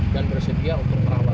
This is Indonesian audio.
dan bersedia untuk perawatan